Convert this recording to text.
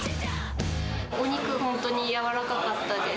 お肉が本当に柔らかかったです。